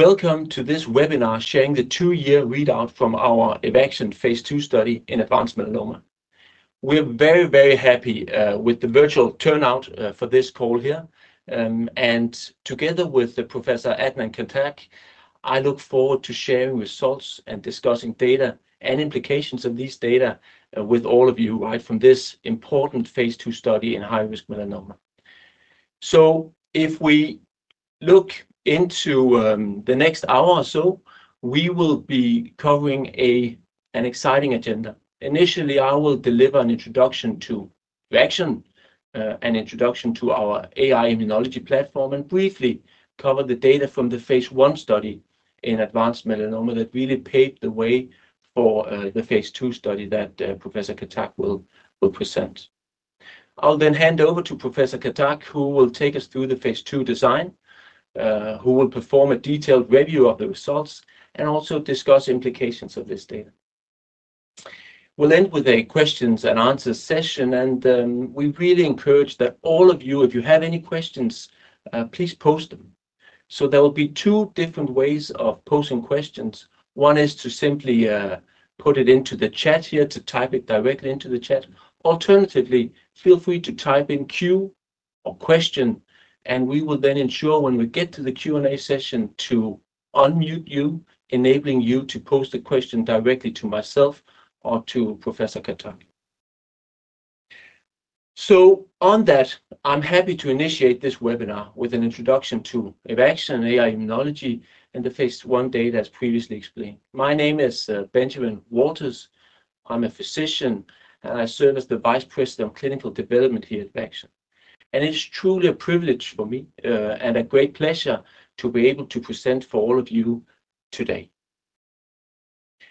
Welcome to this webinar sharing the two-year readout from our Evaxion phase II study in advanced melanoma. We're very, very happy with the virtual turnout for this call here. Together with Professor Adnan Khattak, I look forward to sharing results and discussing data and implications of these data with all of you, right, from this important phase II study in high-risk melanoma. If we look into the next hour or so, we will be covering an exciting agenda. Initially, I will deliver an introduction to Evaxion, an introduction to our AI-Immunology platform, and briefly cover the data from the phase I trial in advanced melanoma that really paved the way for the phase I study that Professor Khattak will present. I'll then hand over to Professor Khattak, who will take us through the phase II design, perform a detailed review of the results, and also discuss implications of this data. We'll end with a questions and answers session, and we really encourage that all of you, if you have any questions, please post them. There will be two different ways of posting questions. One is to simply put it into the chat here, to type it directly into the chat. Alternatively, feel free to type in Q or question, and we will then ensure when we get to the Q&A session to unmute you, enabling you to post a question directly to myself or to Professor Khattak. On that, I'm happy to initiate this webinar with an introduction to Evaxion, AI-Immunology, and the phase I data as previously explained. My name is Benjamin Wolthers. I'm a physician, and I serve as the Vice President of Clinical Development here at Evaxion. It's truly a privilege for me and a great pleasure to be able to present for all of you today.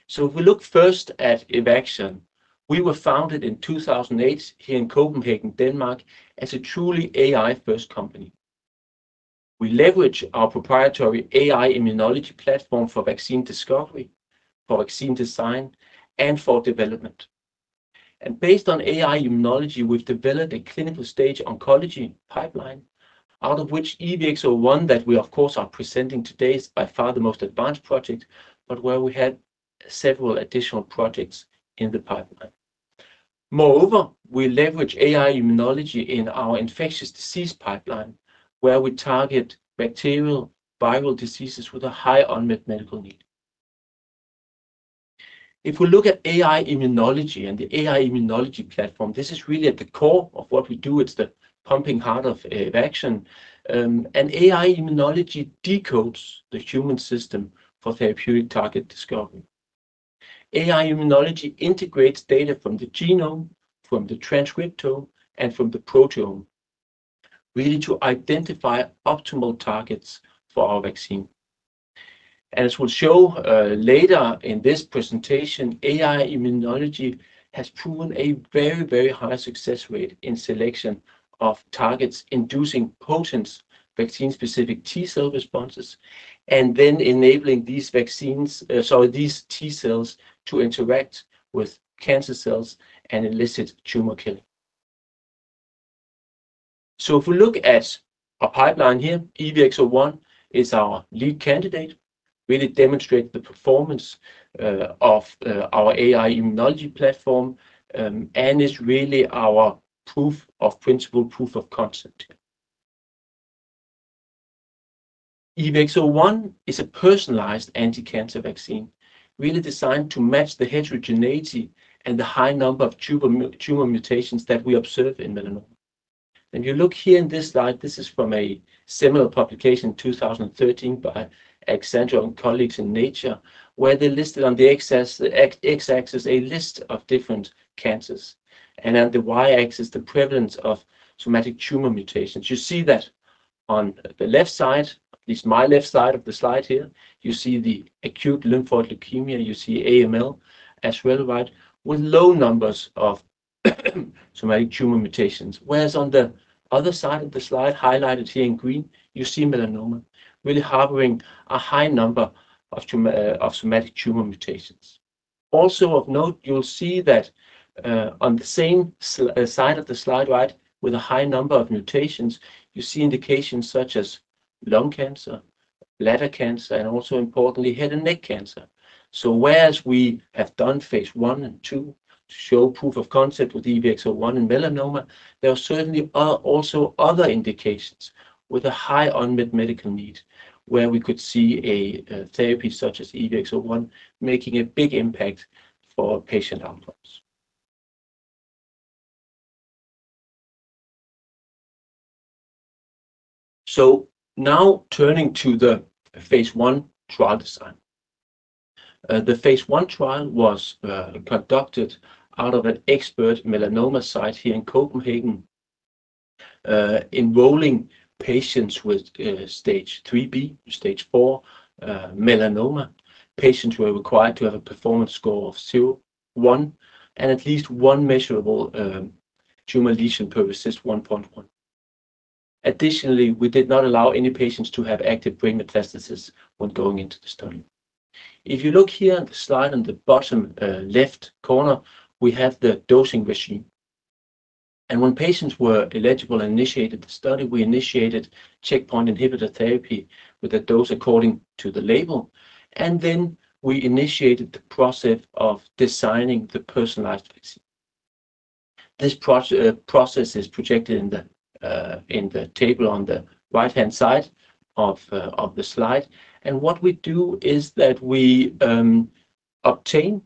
If we look first at Evaxion, we were founded in 2008 here in Copenhagen, Denmark, as a truly AI-first company. We leverage our proprietary AI-Immunology platform for vaccine discovery, for vaccine design, and for development. Based on AI-Immunology, we've developed a clinical stage oncology pipeline, out of which EVX-01, that we of course are presenting today, is by far the most advanced project, but where we had several additional projects in the pipeline. Moreover, we leverage AI-Immunology in our infectious disease pipeline, where we target bacterial, viral diseases with a high unmet medical need. If we look at AI-Immunology and the AI-Immunology platform, this is really at the core of what we do. It's the pumping heart of Evaxion. AI-Immunology decodes the human system for therapeutic target discovery. AI-Immunology integrates data from the genome, from the transcriptome, and from the proteome, really to identify optimal targets for our vaccine. As we'll show later in this presentation, AI-Immunology has proven a very, very high success rate in selection of targets, inducing potent vaccine-specific T-cell responses, and then enabling these T-cells to interact with cancer cells and elicit tumor killing. If we look at our pipeline here, EVX-01 is our lead candidate, really demonstrates the performance of our AI-Immunology platform, and is really our proof of principle, proof of concept. EVX-01 is a personalized anti-cancer vaccine, really designed to match the heterogeneity and the high number of tumor mutations that we observe in melanoma. If you look here in this slide, this is from a similar publication in 2013 by Accenture and colleagues in Nature, where they listed on the X-axis a list of different cancers. On the Y-axis, the prevalence of somatic tumor mutations. You see that on the left side, at least my left side of the slide here, you see the acute lymphoid leukemia, you see AML as well, with low numbers of somatic tumor mutations. On the other side of the slide, highlighted here in green, you see melanoma, really harboring a high number of somatic tumor mutations. Also, of note, you'll see that on the same side of the slide, with a high number of mutations, you see indications such as lung cancer, bladder cancer, and also importantly, head and neck cancer. We have done phase I and II to show proof of concept with EVX-01 in melanoma. There are certainly also other indications with a high unmet medical need, where we could see a therapy such as EVX-01 making a big impact for patient outcomes. Now turning to the phase I trial design. The phase I trial was conducted out of an expert melanoma site here in Copenhagen, enrolling patients with stage 3B, stage 4 melanoma. Patients were required to have a performance score of zero, one, and at least one measurable tumor lesion per RECIST 1.1. Additionally, we did not allow any patients to have active brain metastasis when going into the study. If you look here on the slide on the bottom left corner, we have the dosing regime. When patients were eligible and initiated the study, we initiated checkpoint inhibitor therapy with a dose according to the label. We initiated the process of designing the personalized vaccine. This process is projected in the table on the right-hand side of the slide. What we do is that we obtain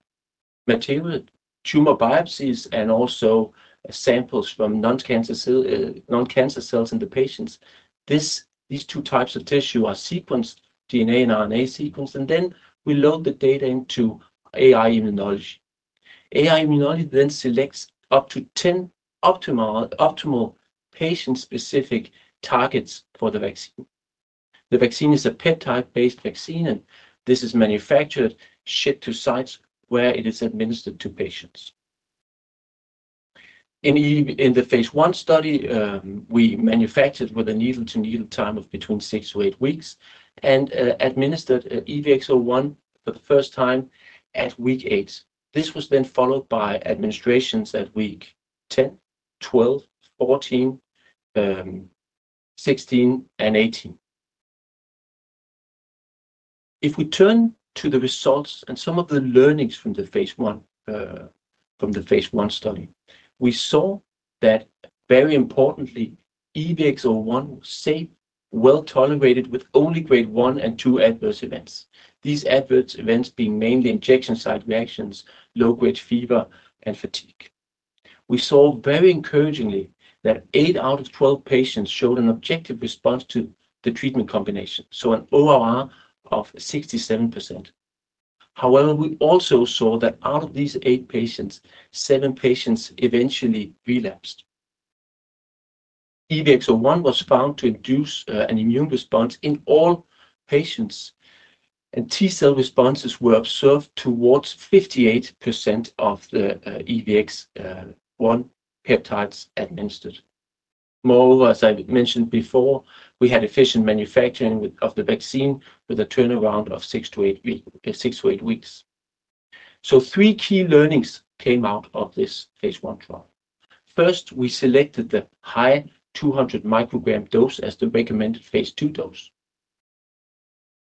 material, tumor biopsies, and also samples from non-cancer cells in the patients. These two types of tissue are sequenced, DNA and RNA sequenced, and then we load the data into the AI-Immunology platform. The AI-Immunology platform then selects up to 10 optimal patient-specific targets for the vaccine. The vaccine is a peptide-based vaccine, and this is manufactured, shipped to sites where it is administered to patients. In the phase I trial, we manufactured with a needle-to-needle time of between six to eight weeks and administered EVX-01 for the first time at week eight. This was then followed by administrations at week 10, 12, 14, 16, and 18. If we turn to the results and some of the learnings from the phase I trial, we saw that very importantly, EVX-01 was safe, well tolerated, with only grade one and two adverse events. These adverse events being mainly injection site reactions, low-grade fever, and fatigue. We saw very encouragingly that eight out of 12 patients showed an objective response to the treatment combination, so an ORR of 67%. However, we also saw that out of these eight patients, seven patients eventually relapsed. EVX-01 was found to induce an immune response in all patients, and T-cell responses were observed towards 58% of the EVX-01 peptides administered. Moreover, as I mentioned before, we had efficient manufacturing of the vaccine with a turnaround of six to eight weeks. Three key learnings came out of this phase I trial. First, we selected the high 200 μg dose as the recommended phase II dose.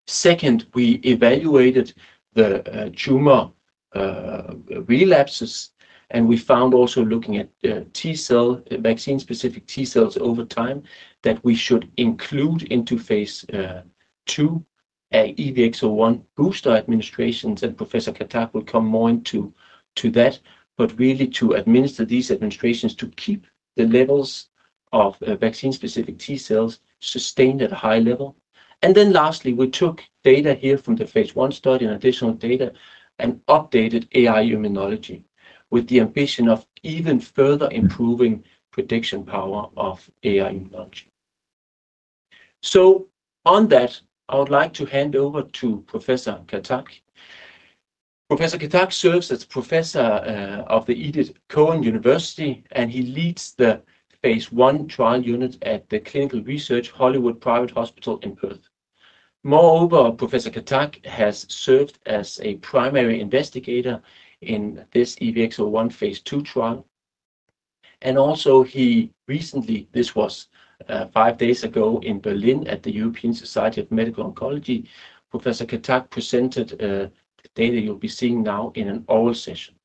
Second, we evaluated the tumor relapses, and we found also looking at vaccine-specific T-cells over time that we should include into phase II EVX-01 booster administrations. Professor Khattak will come more into that, but really to administer these administrations to keep the levels of vaccine-specific T-cells sustained at a high level. Lastly, we took data here from the phase I trial and additional data and updated the AI-Immunology platform with the ambition of even further improving prediction power of the AI-Immunology platform. On that, I would like to hand over to Professor Khattak. Professor Khattak serves as Professor at Edith Cowan University, and he leads the phase I Trial Unit at Clinical Research Hollywood Private Hospital in Perth. Moreover, Professor Khattak has served as a Primary Investigator in this EVX-01 phase II trial. He recently, this was five days ago in Berlin at the European Society of Medical Oncology, Professor Khattak presented the data you'll be seeing now in an oral session.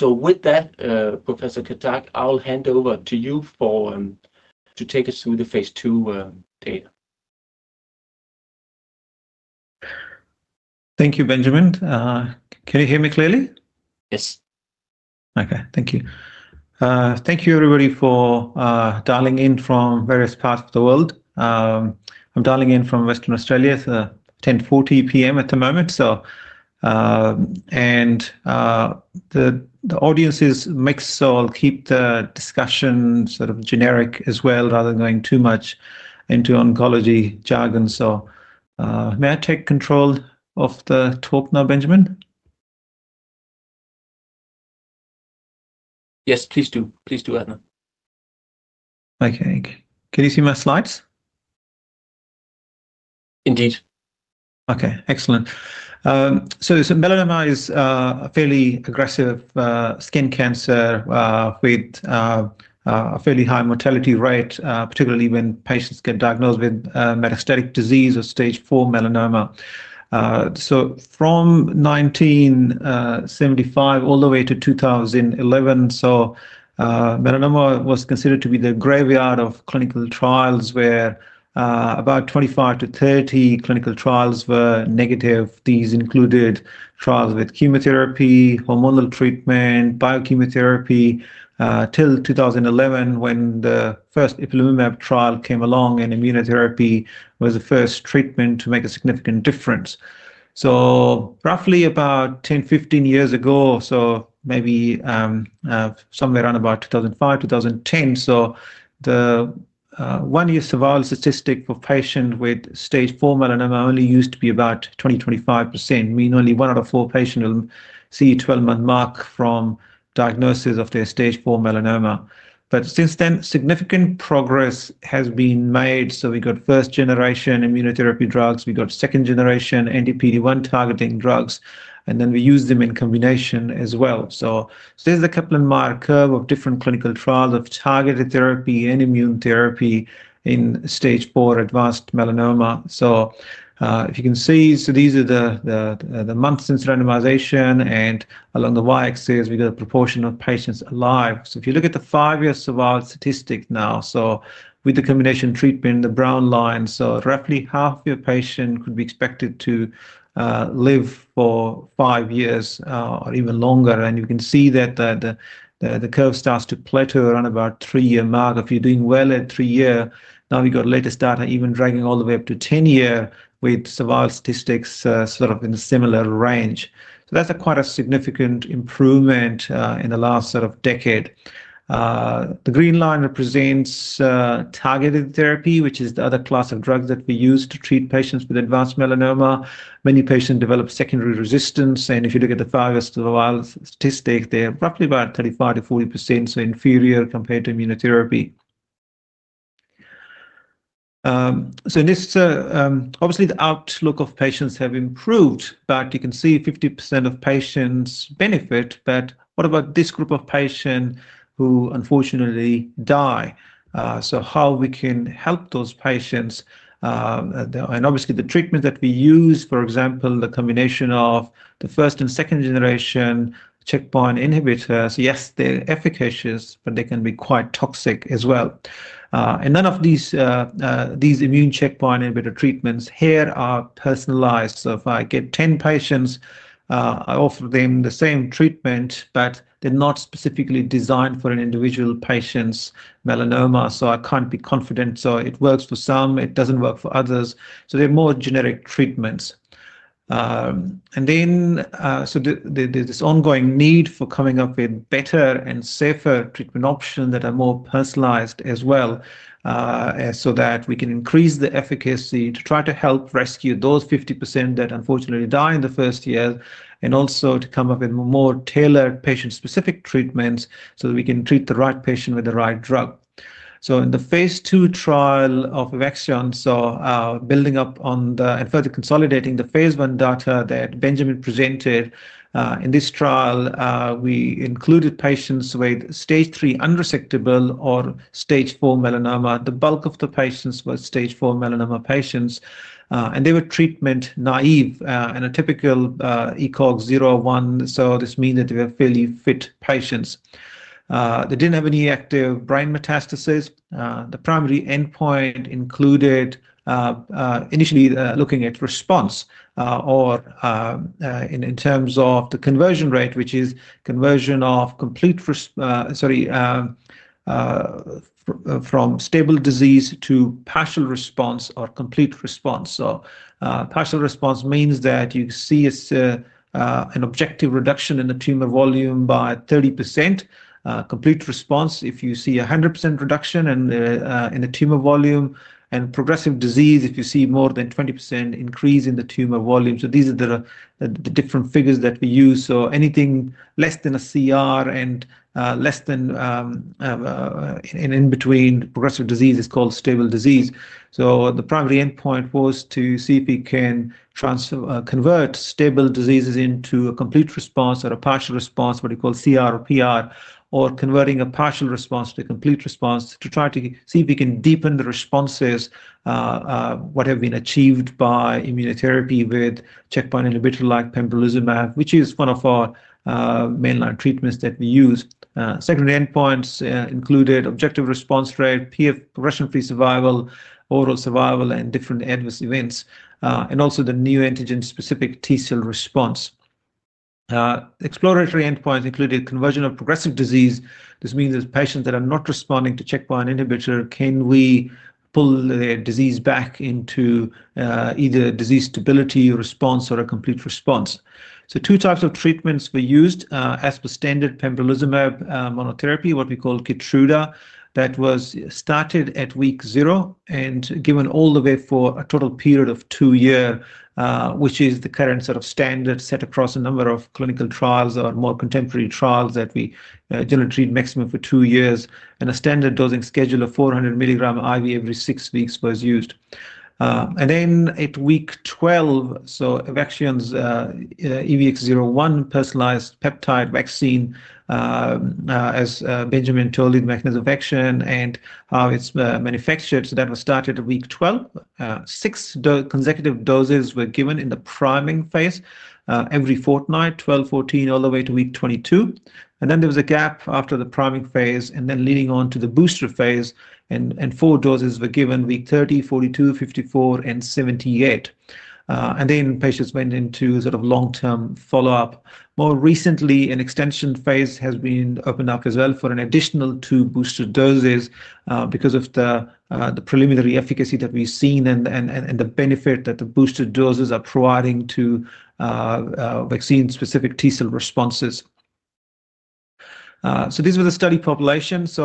With that, Professor Khattak, I'll hand over to you to take us through the phase II data. Thank you, Benjamin. Can you hear me clearly? Yes. Okay, thank you. Thank you, everybody, for dialing in from various parts of the world. I'm dialing in from Western Australia. It's 10:40 P.M. at the moment. The audience is mixed, so I'll keep the discussion sort of generic as well, rather than going too much into oncology jargon. May I take control of the talk now, Benjamin? Yes, please do. Please do, Adnan. Okay, can you see my slides? Indeed. Okay, excellent. Melanoma is a fairly aggressive skin cancer with a fairly high mortality rate, particularly when patients get diagnosed with metastatic disease or stage 4 melanoma. From 1975 all the way to 2011, melanoma was considered to be the graveyard of clinical trials where about 25-30 clinical trials were negative. These included trials with chemotherapy, hormonal treatment, biochemotherapy, until 2011 when the first ipilimumab trial came along and immunotherapy was the first treatment to make a significant difference. Roughly about 10-15 years ago, maybe somewhere around 2005, 2010, the one-year survival statistic for patients with stage 4 melanoma only used to be about 20%-25%, meaning only one out of four patients would see a 12-month mark from diagnosis of their stage 4 melanoma. Since then, significant progress has been made. We got first-generation immunotherapy drugs, we got second-generation anti-PD-1 targeting drugs, and then we use them in combination as well. This is the Kaplan-Meier curve of different clinical trials of targeted therapy and immune therapy in stage 4 advanced melanoma. If you can see, these are the months since randomization, and along the Y-axis, we got a proportion of patients alive. If you look at the five-year survival statistic now, with the combination treatment, the brown line, roughly half your patients could be expected to live for five years or even longer. You can see that the curve starts to plateau around the three-year mark. If you're doing well at three years, now we've got latest data even dragging all the way up to 10 years with survival statistics sort of in a similar range. That's quite a significant improvement in the last decade. The green line represents targeted therapy, which is the other class of drugs that we use to treat patients with advanced melanoma. Many patients develop secondary resistance, and if you look at the five-year survival statistic, they're roughly about 35%-40%, so inferior compared to immunotherapy. Obviously, the outlook of patients has improved, but you can see 50% of patients benefit. What about this group of patients who unfortunately die? How can we help those patients? Obviously, the treatment that we use, for example, the combination of the first and second-generation checkpoint inhibitors, yes, they're efficacious, but they can be quite toxic as well. None of these immune checkpoint inhibitor treatments here are personalized. If I get 10 patients, I offer them the same treatment, but they're not specifically designed for an individual patient's melanoma, so I can't be confident. It works for some, it doesn't work for others. They're more generic treatments. There is this ongoing need for coming up with better and safer treatment options that are more personalized as well, so that we can increase the efficacy to try to help rescue those 50% that unfortunately die in the first years, and also to come up with more tailored patient-specific treatments so that we can treat the right patient with the right drug. In the phase II trial of Evaxion, building up on and further consolidating the phase I data that Benjamin presented, in this trial we included patients with stage 3 unresectable or stage 4 melanoma. The bulk of the patients were stage 4 melanoma patients, and they were treatment naive and a typical ECOG 01. This means that they were fairly fit patients. They didn't have any active brain metastasis. The primary endpoint included initially looking at response in terms of the conversion rate, which is conversion from stable disease to partial response or complete response. Partial response means that you see an objective reduction in the tumor volume by 30%. Complete response, if you see a 100% reduction in the tumor volume, and progressive disease, if you see more than 20% increase in the tumor volume. These are the different figures that we use. Anything less than a CR and less than in between progressive disease is called stable disease. The primary endpoint was to see if we can convert stable diseases into a complete response or a partial response, what we call CR or PR, or converting a partial response to a complete response to try to see if we can deepen the responses, what have been achieved by immunotherapy with checkpoint inhibitors like pembrolizumab, which is one of our main treatments that we use. Secondary endpoints included objective response rate, progression-free survival, overall survival, and different adverse events, and also the neoantigen-specific T-cell response. Exploratory endpoints included conversion of progressive disease. This means that patients that are not responding to checkpoint inhibitors, can we pull their disease back into either disease stability or response or a complete response. Two types of treatments were used as per standard pembrolizumab monotherapy, what we call Keytruda, that was started at week zero and given all the way for a total period of two years, which is the current sort of standard set across a number of clinical trials or more contemporary trials that we generally treat maximum for two years. A standard dosing schedule of 400 mg IV every six weeks was used. At week 12, Evaxion's EVX-01 personalized peptide vaccine, as Benjamin told you, the mechanism of action and how it's manufactured, was started. Six consecutive doses were given in the priming phase every fortnight, 12, 14, all the way to week 22. There was a gap after the priming phase leading on to the booster phase, and four doses were given at week 30, 42, 54, and 78. Patients went into long-term follow-up. More recently, an extension phase has been opened up as well for an additional two booster doses because of the preliminary efficacy that we've seen and the benefit that the booster doses are providing to vaccine-specific T-cell responses. These were the study populations. It's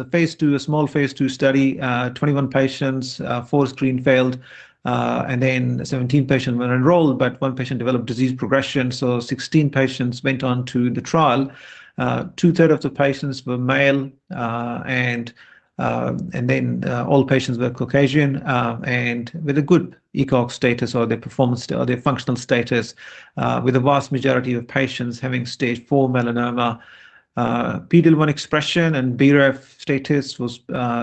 a phase II, a small phase II study, 21 patients, four screen failed, and 17 patients were enrolled, but one patient developed disease progression. Sixteen patients went on to the trial. Two-thirds of the patients were male, and all patients were Caucasian and with a good ECOG status or their performance or their functional status, with a vast majority of patients having stage 4 melanoma. PD-L1 expression and BRAF status was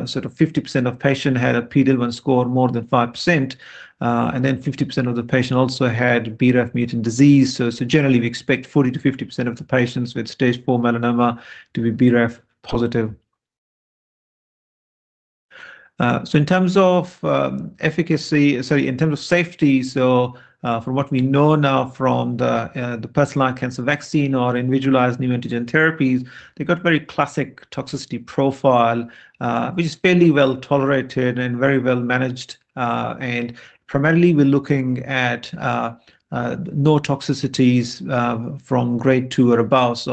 sort of 50% of patients had a PD-L1 score more than 5%, and 50% of the patients also had BRAF mutant disease. Generally, we expect 40%-50% of the patients with stage 4 melanoma to be BRAF positive. In terms of safety, from what we know now from the personalized cancer vaccine or individualized immunogen therapies, they got a very classic toxicity profile, which is fairly well tolerated and very well managed. Primarily, we're looking at no toxicities from grade two or above.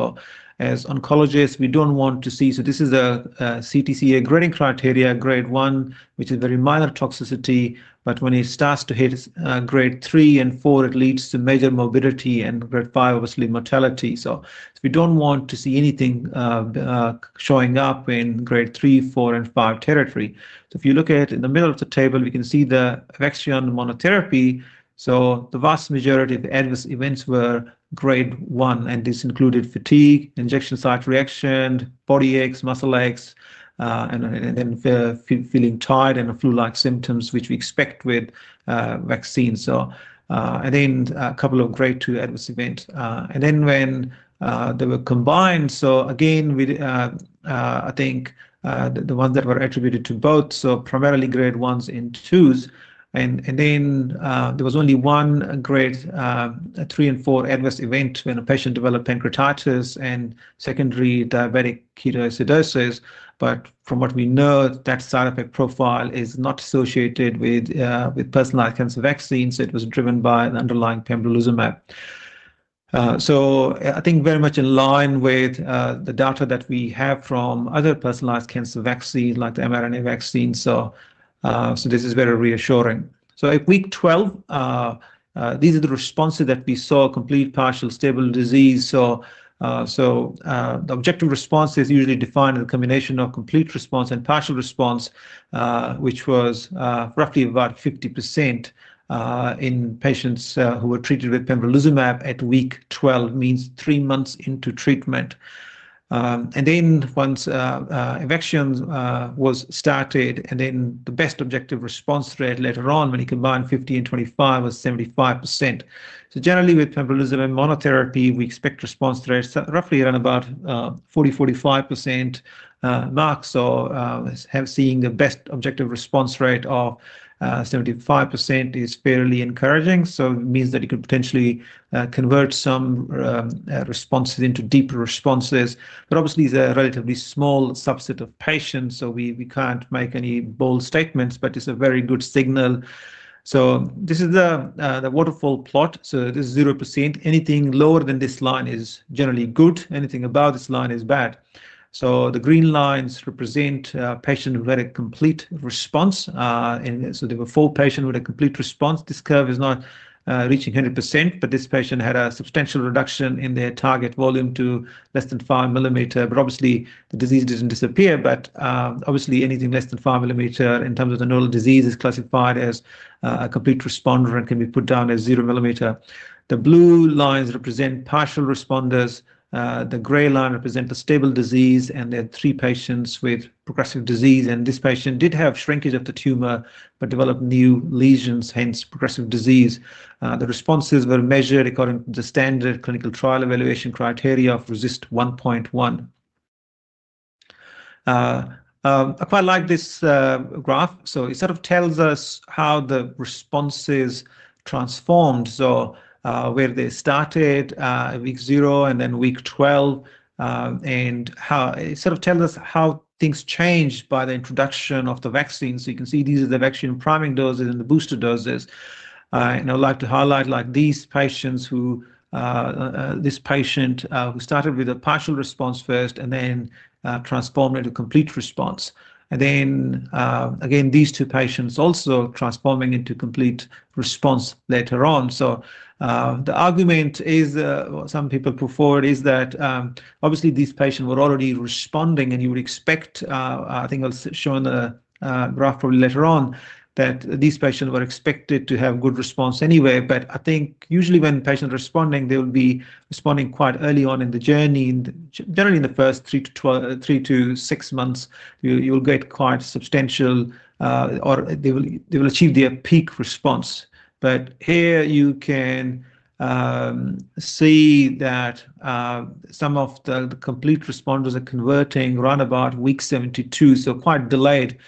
As oncologists, we don't want to see, this is a CTCAE grading criteria, grade one, which is very minor toxicity, but when it starts to hit grade three and four, it leads to major morbidity and grade five, obviously, mortality. We don't want to see anything showing up in grade three, four, and five territory. If you look at it in the middle of the table, we can see the Evaxion monotherapy. The vast majority of adverse events were grade one, and this included fatigue, injection site reaction, body aches, muscle aches, and then feeling tired and flu-like symptoms, which we expect with vaccines. There were a couple of grade two adverse events. When they were combined, I think the ones that were attributed to both were primarily grade ones and twos, and there was only one grade three and four adverse event when a patient developed pancreatitis and secondary diabetic ketoacidosis. From what we know, that side effect profile is not associated with personalized cancer vaccines. It was driven by the underlying pembrolizumab. This is very much in line with the data that we have from other personalized cancer vaccines like the mRNA vaccine. This is very reassuring. At week 12, these are the responses that we saw: complete, partial, stable disease. The objective response is usually defined as a combination of complete response and partial response, which was roughly about 50% in patients who were treated with pembrolizumab at week 12, meaning three months into treatment. Once Evaxion was started, the best objective response rate later on when you combine 50% and 25% was 75%. Generally, with pembrolizumab monotherapy, we expect response rates roughly around 40%-45%. Seeing the best objective response rate of 75% is fairly encouraging. It means that you could potentially convert some responses into deeper responses. Obviously, it's a relatively small subset of patients, so we can't make any bold statements, but it's a very good signal. This is the waterfall plot. This is 0%. Anything lower than this line is generally good. Anything above this line is bad. The green lines represent patients with a complete response. There were four patients with a complete response. This curve is not reaching 100%, but this patient had a substantial reduction in their target volume to less than 5 mm. The disease didn't disappear, but anything less than 5 mm in terms of the neural disease is classified as a complete responder and can be put down as 0 mm. The blue lines represent partial responders. The gray lines represent the stable disease, and there are three patients with progressive disease. This patient did have shrinkage of the tumor but developed new lesions, hence progressive disease. The responses were measured according to the standard clinical trial evaluation criteria of RECIST 1.1. I quite like this graph. It sort of tells us how the responses transformed, where they started at week zero and then week 12, and it sort of tells us how things changed by the introduction of the vaccine. You can see these are the vaccine priming doses and the booster doses. I'd like to highlight these patients who started with a partial response first and then transformed into complete response. These two patients also transforming into complete response later on. The argument some people preferred is that obviously these patients were already responding, and you would expect, I think I'll show in the graph probably later on, that these patients were expected to have a good response anyway. Usually when patients are responding, they will be responding quite early on in the journey. Generally, in the first three to six months, you will get quite substantial or they will achieve their peak response. Here you can see that some of the complete responders are converting around about week 72, so quite delayed.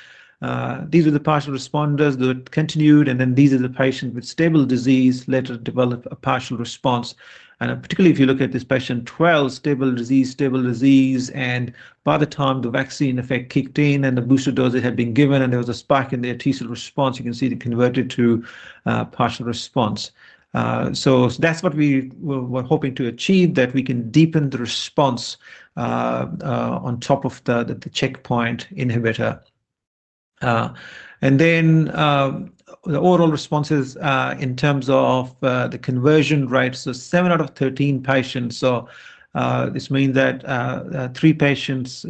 These were the partial responders that continued, and these are the patients with stable disease who later developed a partial response. Particularly if you look at this patient 12, stable disease, stable disease, and by the time the vaccine effect kicked in and the booster doses had been given and there was a spike in their T-cell response, you can see they converted to partial response. That's what we were hoping to achieve, that we can deepen the response on top of the checkpoint inhibitor. The overall responses in terms of the conversion rate, seven out of 13 patients. This means that three patients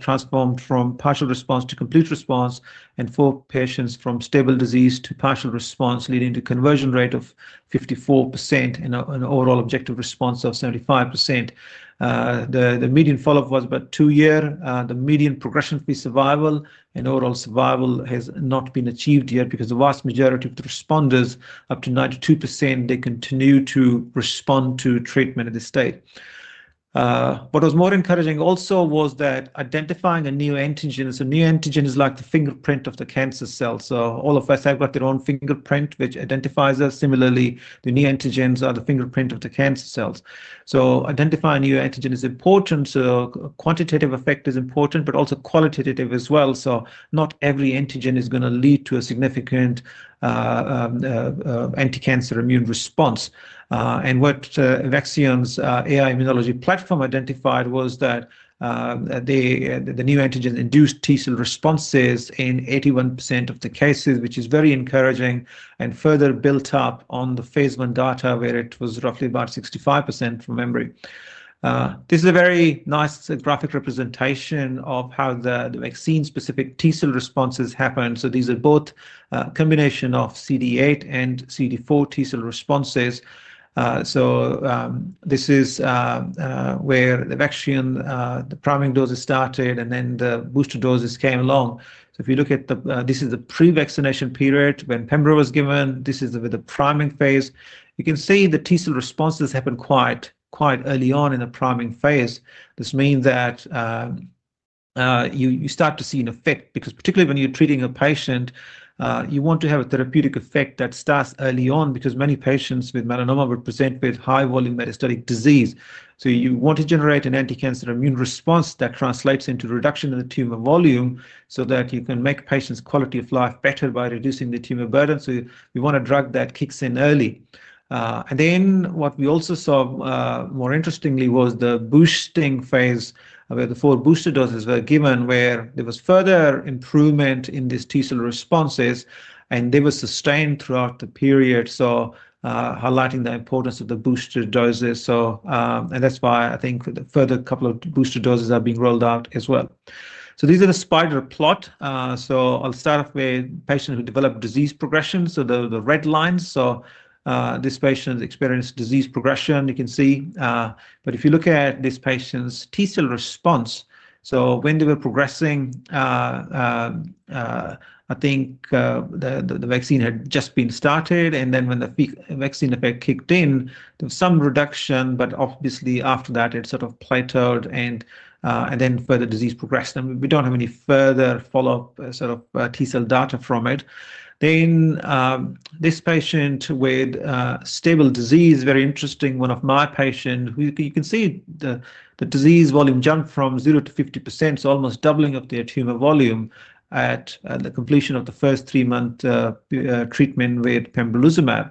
transformed from partial response to complete response and four patients from stable disease to partial response, leading to a conversion rate of 54% and an overall objective response of 75%. The median follow-up was about two years. The median progression-free survival and overall survival has not been achieved yet because the vast majority of the responders, up to 92%, continue to respond to treatment at this stage. What was more encouraging also was that identifying a neoantigen, so a neoantigen is like the fingerprint of the cancer cell. All of us have got their own fingerprint, which identifies us similarly. The neoantigens are the fingerprint of the cancer cells. Identifying a neoantigen is important. Quantitative effect is important, but also qualitative as well. Not every antigen is going to lead to a significant anti-cancer immune response. What Evaxion's AI-Immunology platform identified was that the neoantigen induced T-cell responses in 81% of the cases, which is very encouraging and further built up on the phase I data, where it was roughly about 65% from memory. This is a very nice graphic representation of how the vaccine-specific T-cell responses happen. These are both a combination of CD8 and CD4 T-cell responses. This is where the Evaxion priming doses started and then the booster doses came along. If you look at this, this is the pre-vaccination period when pembrolizumab was given. This is with the priming phase. You can see the T-cell responses happen quite early on in the priming phase. This means that you start to see an effect because particularly when you're treating a patient, you want to have a therapeutic effect that starts early on because many patients with melanoma will present with high volume metastatic disease. You want to generate an anti-cancer immune response that translates into reduction in the tumor volume so that you can make patients' quality of life better by reducing the tumor burden. You want a drug that kicks in early. What we also saw more interestingly was the boosting phase where the four booster doses were given, where there was further improvement in these T-cell responses and they were sustained throughout the period, highlighting the importance of the booster doses. That's why I think further a couple of booster doses are being rolled out as well. These are the spider plot. I'll start off with patients who developed disease progression. The red lines, so this patient experienced disease progression, you can see. If you look at this patient's T-cell response, when they were progressing, I think the vaccine had just been started. When the vaccine effect kicked in, there was some reduction, but obviously after that it sort of plateaued and then further disease progressed. We don't have any further follow-up sort of T-cell data from it. This patient with stable disease, very interesting, one of my patients, you can see the disease volume jumped from 0%-50%, so almost doubling of their tumor volume at the completion of the first three-month treatment with pembrolizumab.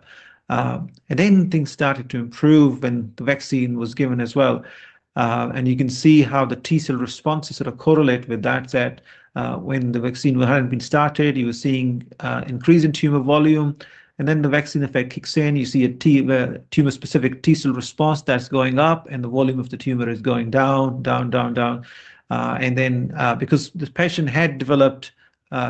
Things started to improve when the vaccine was given as well. You can see how the T-cell responses sort of correlate with that. When the vaccine hadn't been started, you were seeing an increase in tumor volume. The vaccine effect kicks in. You see a tumor-specific T-cell response that's going up and the volume of the tumor is going down, down, down, down. Because this patient had developed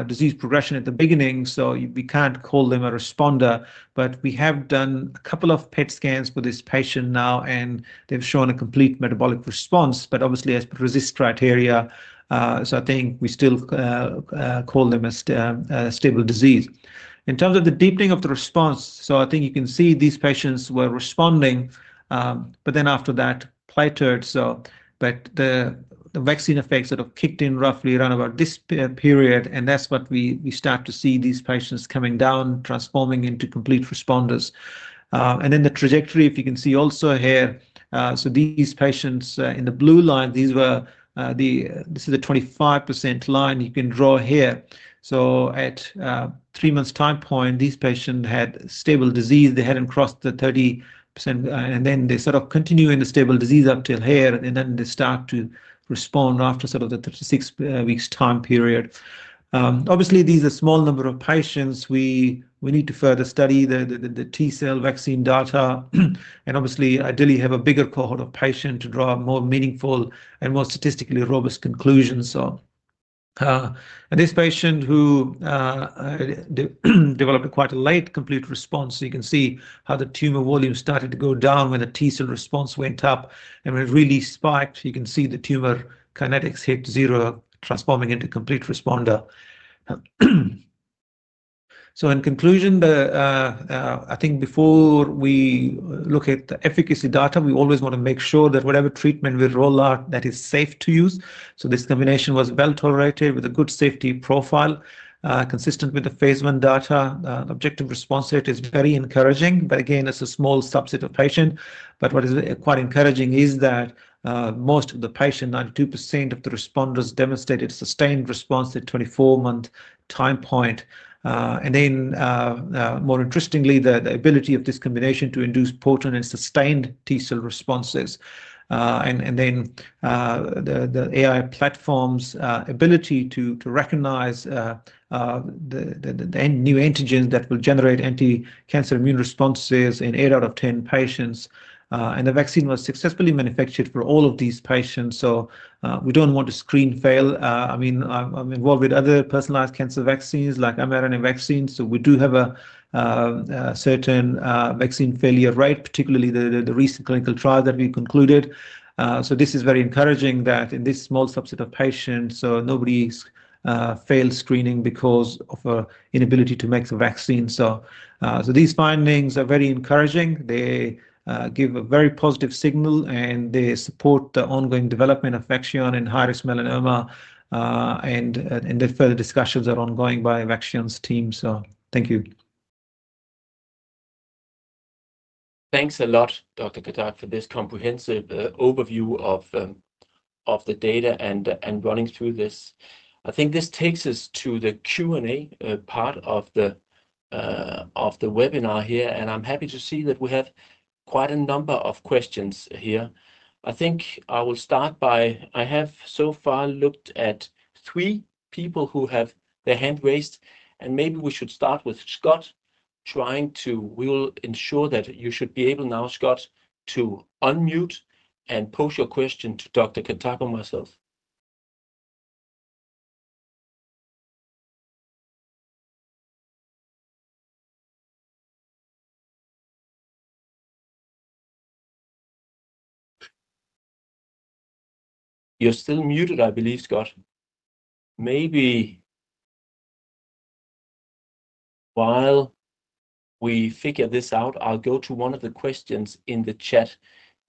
disease progression at the beginning, we can't call them a responder, but we have done a couple of PET scans for this patient now and they've shown a complete metabolic response, but obviously as per RECIST criteria. I think we still call them a stable disease. In terms of the deepening of the response, you can see these patients were responding, but then after that plateaued. The vaccine effects have kicked in roughly around about this period, and that's when we start to see these patients coming down, transforming into complete responders. The trajectory, if you can see also here, these patients in the blue line, this is the 25% line you can draw here. At three months time point, these patients had stable disease. They hadn't crossed the 30%, and they sort of continued in the stable disease up till here, and then they start to respond after the six weeks time period. Obviously, these are a small number of patients. We need to further study the T-cell vaccine data, and ideally have a bigger cohort of patients to draw more meaningful and more statistically robust conclusions. This patient who developed quite a late complete response, you can see how the tumor volume started to go down when the T-cell response went up, and when it really spiked, you can see the tumor kinetics hit zero, transforming into a complete responder. In conclusion, I think before we look at the efficacy data, we always want to make sure that whatever treatment we roll out is safe to use. This combination was well tolerated with a good safety profile, consistent with the phase I data. The objective response rate is very encouraging, but again, it's a small subset of patients. What is quite encouraging is that most of the patients, 92% of the responders, demonstrated a sustained response at the 24-month time point. More interestingly, the ability of this combination to induce potent and sustained T-cell responses, and the AI-Immunology platform's ability to recognize the neoantigens that will generate anti-cancer immune responses in eight out of 10 patients. The vaccine was successfully manufactured for all of these patients. We don't want to screen fail. I'm involved with other personalized cancer vaccines like mRNA vaccines. We do have a certain vaccine failure rate, particularly the recent clinical trial that we concluded. This is very encouraging that in this small subset of patients, nobody fails screening because of an inability to make the vaccine. These findings are very encouraging. They give a very positive signal, and they support the ongoing development of Evaxion in high-risk melanoma. Further discussions are ongoing by Evaxion's team. Thank you. Thanks a lot, Dr. Khattak, for this comprehensive overview of the data and running through this. I think this takes us to the Q&A part of the webinar here. I'm happy to see that we have quite a number of questions here. I think I will start by, I have so far looked at three people who have their hand raised. Maybe we should start with Scott trying to, we'll ensure that you should be able now, Scott, to unmute and pose your question to Dr. Khattak and myself. You're still muted, I believe, Scott. Maybe while we figure this out, I'll go to one of the questions in the chat.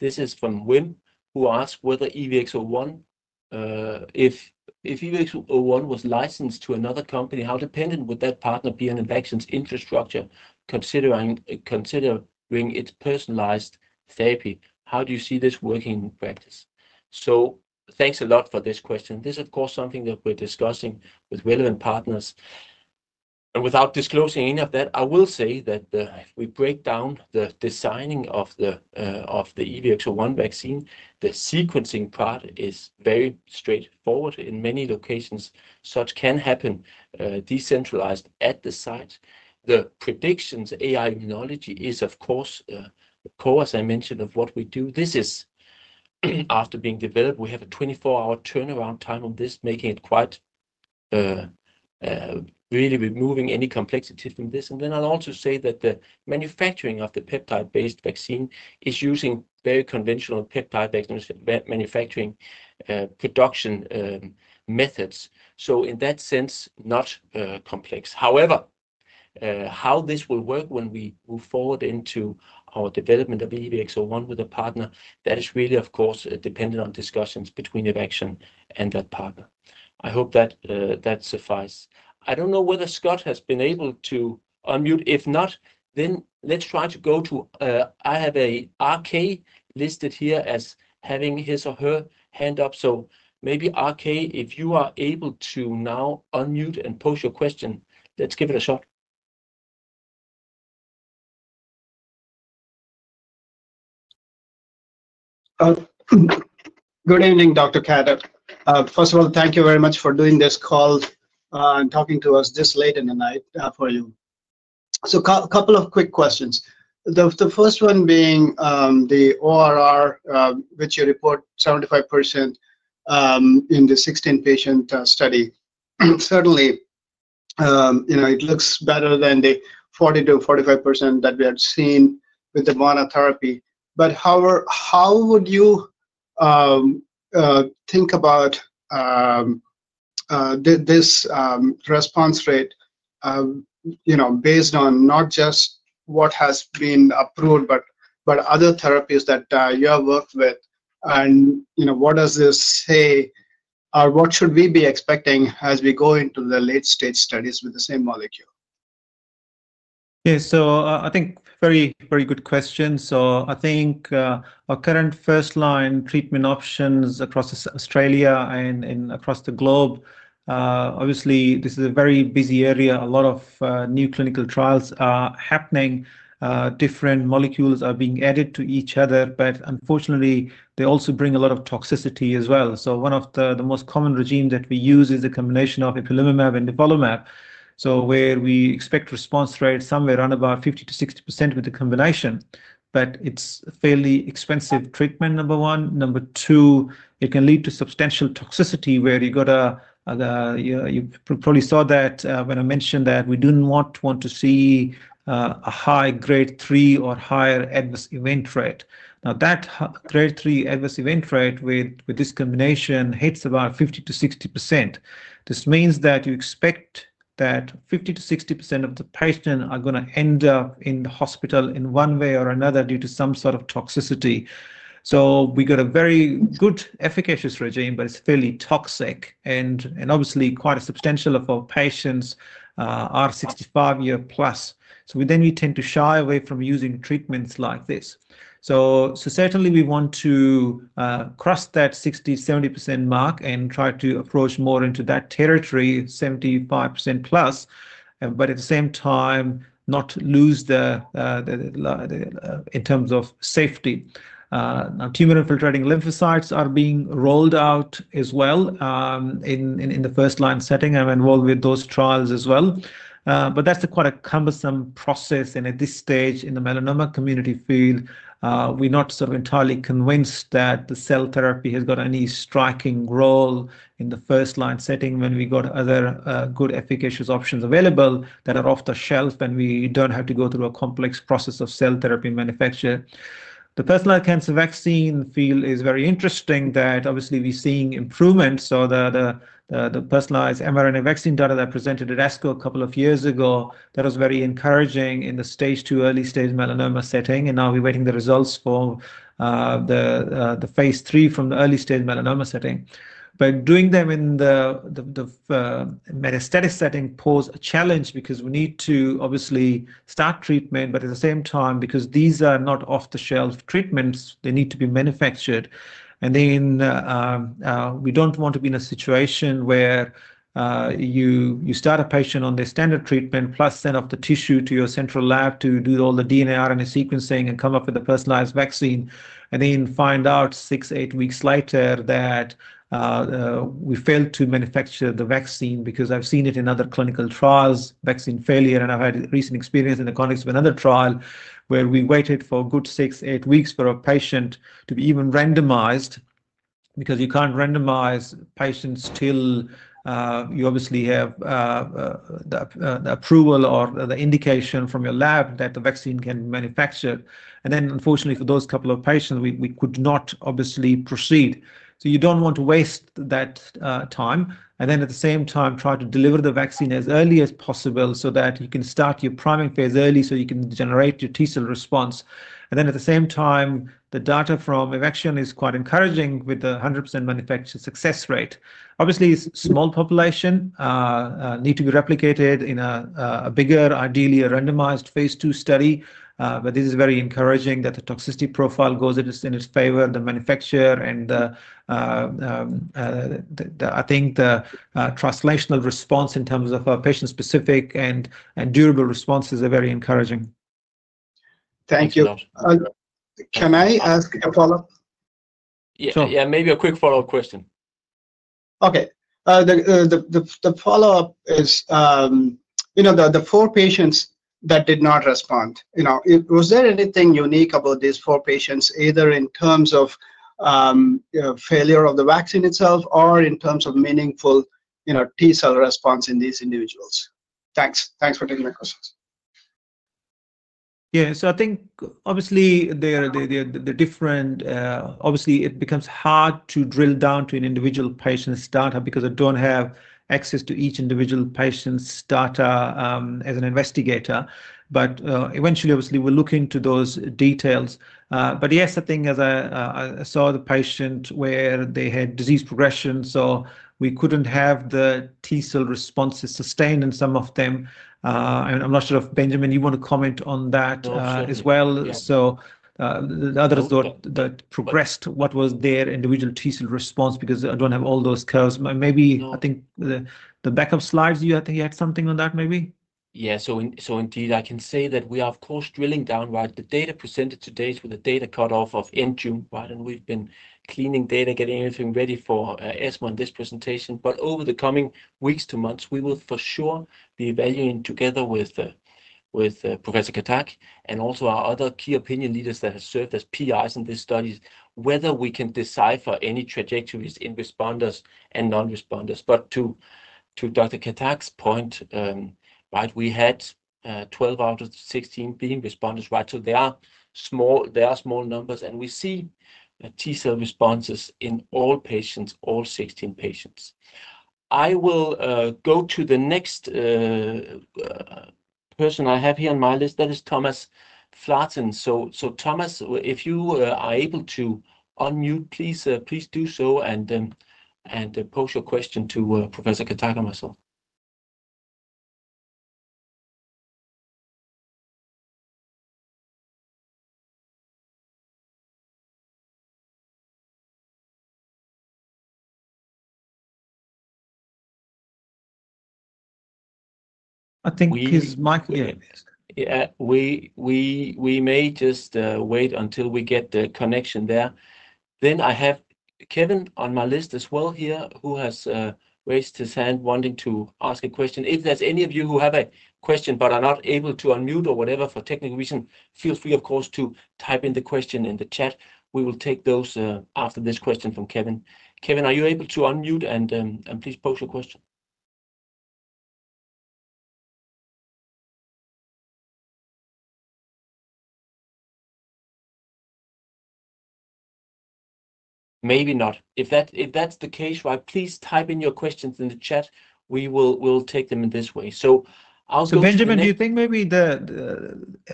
This is from Wim, who asked whether EVX-01, if EVX-01 was licensed to another company, how dependent would that partner be on Evaxion's infrastructure considering its personalized therapy? How do you see this working in practice? Thanks a lot for this question. This is, of course, something that we're discussing with relevant partners. Without disclosing any of that, I will say that if we break down the designing of the EVX-01 vaccine, the sequencing part is very straightforward in many locations. Such can happen decentralized at the site. The predictions, AI-Immunology is, of course, a core, as I mentioned, of what we do. This is after being developed. We have a 24-hour turnaround time on this, making it quite really removing any complexity from this. I'll also say that the manufacturing of the peptide-based vaccine is using very conventional peptide vaccination manufacturing production methods. In that sense, not complex. However, how this will work when we move forward into our development of EVX-01 with a partner, that is really, of course, dependent on discussions between Evaxion and that partner. I hope that that suffices. I don't know whether Scott has been able to unmute. If not, then let's try to go to, I have an RK listed here as having his or her hand up. Maybe RK, if you are able to now unmute and pose your question, let's give it a shot. Good evening, Dr. Khattak. First of all, thank you very much for doing this call and talking to us this late in the night for you. A couple of quick questions. The first one being the ORR, which you report 75% in the 16-patient study. It looks better than the 40%-45% that we had seen with the monotherapy. How would you think about this response rate, based on not just what has been approved, but other therapies that you have worked with? What does this say or what should we be expecting as we go into the late-stage studies with the same molecule? Okay, I think very, very good question. I think our current first-line treatment options across Australia and across the globe, obviously, this is a very busy area. A lot of new clinical trials are happening. Different molecules are being added to each other, but unfortunately, they also bring a lot of toxicity as well. One of the most common regimens that we use is a combination of ipilimumab and nivolumab, where we expect response rates somewhere around 50%-60% with the combination. It's a fairly expensive treatment, number one. Number two, it can lead to substantial toxicity where you probably saw that when I mentioned that we didn't want to see a high grade 3 or higher adverse event rate. That grade 3 adverse event rate with this combination hits about 50%-60%. This means that you expect that 50%-60% of the patients are going to end up in the hospital in one way or another due to some sort of toxicity. We have a very good efficacious regimen, but it's fairly toxic and obviously quite substantial for patients who are 65+ years. We tend to shy away from using treatments like this. We certainly want to cross that 60%-70% mark and try to approach more into that territory, 75%+, but at the same time not lose in terms of safety. Tumor infiltrating lymphocytes are being rolled out as well in the first-line setting. I'm involved with those trials as well, but that's quite a cumbersome process. At this stage in the melanoma community field, we're not entirely convinced that the cell therapy has got any striking role in the first-line setting when we have other good efficacious options available that are off the shelf and we don't have to go through a complex process of cell therapy manufacture. The personalized cancer vaccine field is very interesting. Obviously, we're seeing improvements. The personalized mRNA vaccine data that I presented at ASCO a couple of years ago was very encouraging in the stage 2, early stage melanoma setting. Now we're waiting for the results for the phase III from the early stage melanoma setting. Doing them in the metastatic setting poses a challenge because we need to start treatment, but at the same time, because these are not off-the-shelf treatments, they need to be manufactured. We don't want to be in a situation where you start a patient on their standard treatment, plus send off the tissue to your central lab to do all the DNA RNA sequencing and come up with a personalized vaccine, and then find out six, eight weeks later that we failed to manufacture the vaccine because I've seen it in other clinical trials, vaccine failure, and I've had recent experience in the context of another trial where we waited for a good six, eight weeks for a patient to be even randomized because you can't randomize patients till you obviously have the approval or the indication from your lab that the vaccine can be manufactured. Unfortunately, for those couple of patients, we could not obviously proceed. You don't want to waste that time. At the same time, try to deliver the vaccine as early as possible so that you can start your priming phase early so you can generate your T-cell response. The data from Evaxion is quite encouraging with the 100% manufacture success rate. Obviously, small population need to be replicated in a bigger, ideally a randomized phase II study, but this is very encouraging that the toxicity profile goes in its favor, the manufacturer, and I think the translational response in terms of patient-specific and durable responses are very encouraging. Thank you. Can I ask a follow-up? Yeah, maybe a quick follow-up question. Okay. The follow-up is, you know, the four patients that did not respond, you know, was there anything unique about these four patients, either in terms of failure of the vaccine itself or in terms of meaningful T-cell response in these individuals? Thanks. Thanks for taking my questions. Yeah, I think obviously they're different. Obviously, it becomes hard to drill down to an individual patient's data because I don't have access to each individual patient's data as an investigator. Eventually, we're looking to those details. Yes, I think as I saw the patient where they had disease progression, we couldn't have the T-cell responses sustained in some of them. I'm not sure if Benjamin, you want to comment on that as well. The others that progressed, what was their individual T-cell response because I don't have all those curves. Maybe I think the backup slides, you had something on that maybe? Yeah, so indeed I can say that we are, of course, drilling down. The data presented today is with a data cutoff of end June, right? We've been cleaning data, getting everything ready for ESMA in this presentation. Over the coming weeks to months, we will for sure be evaluating together with Professor Khattak and also our other key opinion leaders that have served as PIs in this study, whether we can decipher any trajectories in responders and non-responders. To Dr. Khattak's point, we had 12 out of 16 being responders, right? They are small numbers, and we see T-cell responses in all patients, all 16 patients. I will go to the next person I have here on my list. That is Thomas Flaten. Thomas, if you are able to unmute, please do so and pose your question to Professor Khattak and myself. I think his mic is. Yeah. We may just wait until we get the connection there. I have Kevin on my list as well here, who has raised his hand wanting to ask a question. If there's any of you who have a question but are not able to unmute or whatever for technical reasons, feel free, of course, to type in the question in the chat. We will take those after this question from Kevin. Kevin, are you able to unmute and please pose your question? Maybe not. If that's the case, please type in your questions in the chat. We will take them in this way. I'll go. Benjamin, do you think maybe